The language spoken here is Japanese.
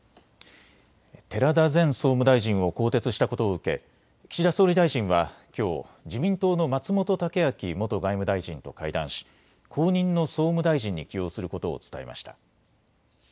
寺田前総務大臣を更迭したことを受け岸田総理大臣はきょう自民党の松本剛明元外務大臣と会談し後任の総務大臣に起用することを伝えました。